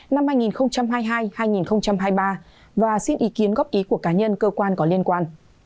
năm hai nghìn hai mươi hai hai nghìn hai mươi ba và xin ý kiến góp ý của cá nhân cơ quan có liên quan